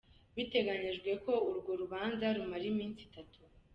Bitegekanijwe ko urwo rubanza rumara imisi itatu.